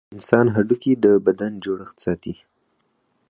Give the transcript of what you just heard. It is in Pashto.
د انسان هډوکي د بدن جوړښت ساتي.